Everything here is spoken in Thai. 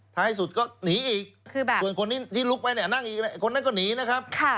ท้ายสุดก็หนีอีกส่วนคนนี้ที่ลุกไปเนี่ยนั่งอีกคนนั้นก็หนีนะครับ